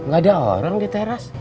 gak ada orang di teras